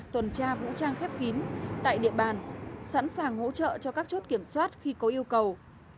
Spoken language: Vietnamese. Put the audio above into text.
tuần tra vũ trang khép kín tại địa bàn sẵn sàng hỗ trợ cho các chốt kiểm soát khi có yêu cầu